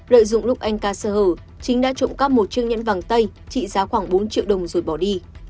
lợi dụng lúc anh ca sơ hở chính đã trộm cắp một chiếc nhẫn vàng tây trị giá khoảng bốn triệu đồng rồi bỏ đi